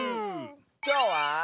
きょうは。